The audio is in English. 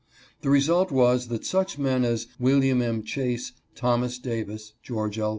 The result was that such men as William M. Chase, Thomas Davis, George L.